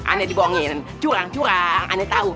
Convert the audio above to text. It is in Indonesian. aneh dibongin curang curang aneh tau